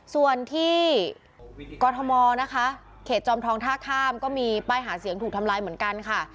ส่วนที่กรทมนะคะเขตจอมทองท่าข้ามก็มีป้ายหาเสียงถูกทำลายเหมือนกันค่ะ